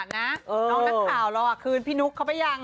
น้องนักข่าวเราคืนพี่นุ๊กเขาไปยัง